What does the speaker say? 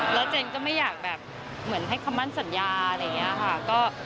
แล้วเจนก็ไม่อยากแบบเหมือนให้คำมั่นสัญญาอะไรอย่างนี้ค่ะ